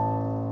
gak ada apa apa